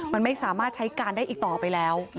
มันไม่สามารถใช้การได้อีกต่อไปแล้ว